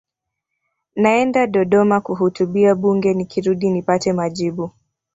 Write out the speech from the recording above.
naenda dodoma kuhutubia bunge nikirudi nipate majibu